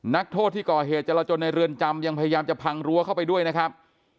นักโทษที่ก่อเหตุจรจนในเรือนจำยังพยายามจะพังรั้วเข้าไปด้วยนะครับ